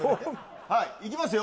はいいきますよ